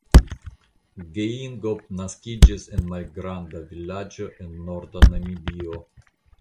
Geingob naskiĝis en malgranda vilaĝo en norda Namibio.